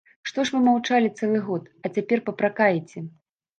Што ж вы маўчалі цэлы год, а цяпер папракаеце?